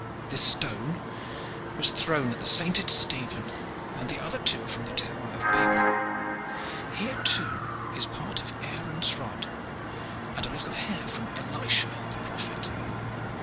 This stone was thrown at the sainted Stephen, and the other two are from the Tower of Babel. Here, too, is part of Aaron's rod, and a lock of hair from Elisha the prophet."